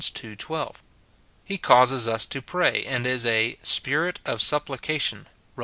12 ; he causes us to pray, and is a " Spirit of supplication," Rom.